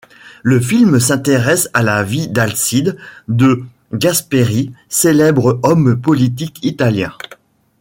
Le film s'intéresse à la vie d'Alcide De Gasperi, célèbre homme politique italien.